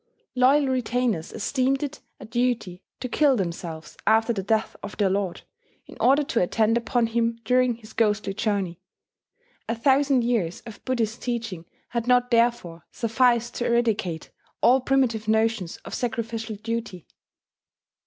Loyal retainers esteemed it a duty to kill themselves after the death of their lord, in order to attend upon him during his ghostly journey. A thousand years of Buddhist teaching had not therefore sufficed to eradicate all primitive notions' of sacrificial duty.